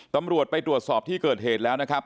ตำรวจไปตรวจสอบที่เกิดเหตุแล้วนะครับ